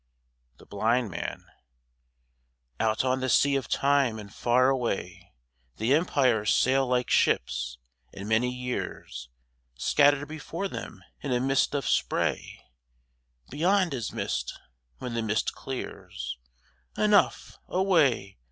THE BLIND MAN Out on the sea of time and far away The Empires sail like ships, and many years Scatter before them in a mist of spray: Beyond is mist when the mist clears Enough Away!